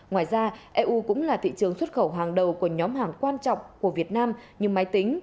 ngoài ra eu cũng là thị trường xuất khẩu hàng đầu của nhóm hàng quan trọng của việt nam như máy tính